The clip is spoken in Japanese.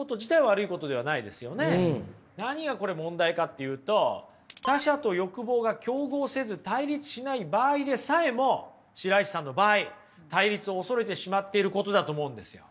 何がこれ問題かっていうと他者と欲望が競合せず対立しない場合でさえも白石さんの場合対立を恐れてしまってることだと思うんですよ。